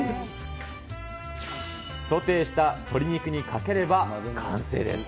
ソテーした鶏肉にかければ完成です。